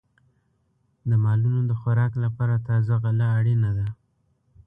د مالونو د خوراک لپاره تازه غله اړینه ده.